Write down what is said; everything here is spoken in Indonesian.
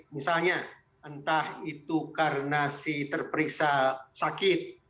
misalnya entah itu karena si terperiksa sakit